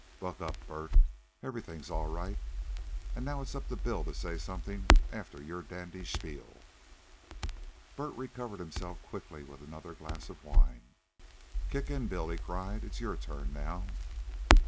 "Buck up, Bert. Everything's all right. And now it's up to Bill to say something after your dandy spiel." Bert recovered himself quickly with another glass of wine. "Kick in, Bill," he cried. "It's your turn now."